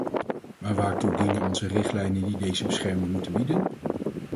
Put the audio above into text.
Maar waartoe dienen onze richtlijnen die deze bescherming moeten bieden?